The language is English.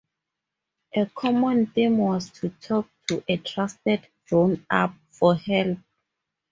A common theme was to talk to a trusted grown up for help.